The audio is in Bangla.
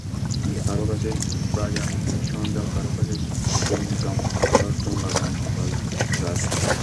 কারও কাছে রাজমিিস্ত্রর সরঞ্জাম, কারও কাছে চুনকাম করার চুন লাগানো বালতি-ব্রাশ।